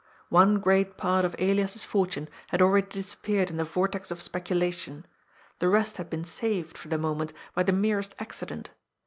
One great part of Elias's fortune had already disappeared in the vortex of speculation. The rest had been saved, for the moment, by the merest accident.